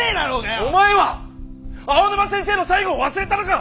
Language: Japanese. お前は青沼先生の最期を忘れたのか！